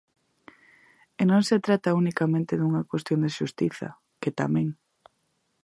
E non se trata unicamente dunha cuestión de xustiza, que tamén.